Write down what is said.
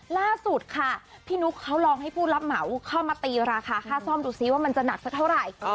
ล่าสุดค่ะพี่นุ๊กเขาลองให้ผู้รับเหมาเข้ามาตีราคาค่าซ่อมดูซิว่ามันจะหนักสักเท่าไหร่